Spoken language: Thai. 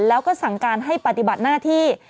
แล้วก็สั่งการให้ปฏิบัติหน้าที่